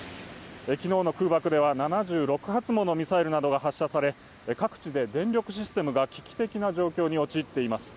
昨日空爆では６７発の爆撃が発射され各地で電力システムが危機的な状況に陥っています。